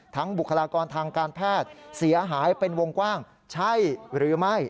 บุคลากรทางการแพทย์เสียหายเป็นวงกว้างใช่หรือไม่